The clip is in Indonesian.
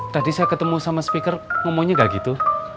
tadi saya ketemu sama speaker ngomonya gak gitu